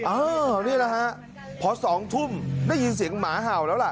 นี่แหละฮะพอ๒ทุ่มได้ยินเสียงหมาเห่าแล้วล่ะ